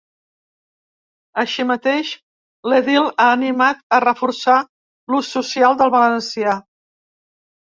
Així mateix, l’edil ha animat a “reforçar l’ús social del valencià”.